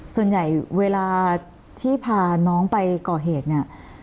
ส่วนใหญ่เวลาที่พาน้องไปก่อเหตุเนี่ย